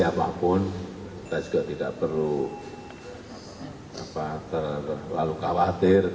siapapun kita juga tidak perlu terlalu khawatir